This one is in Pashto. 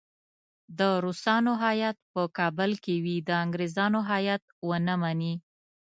د روسانو هیات په کابل کې وي د انګریزانو هیات ونه مني.